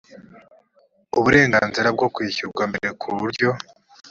uburenganzira bwo kwishyurwa mbere ku buryo